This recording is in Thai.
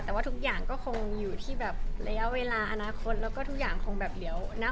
แต่ว่าทุกอย่างก็คงอยู่ที่แบบระยะเวลาอนาคตแล้วก็ทุกอย่างคงแบบเหลียวนะ